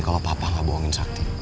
kalau papa gak bohongin sakti